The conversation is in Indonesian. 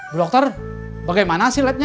bu dokter bagaimana hasil lednya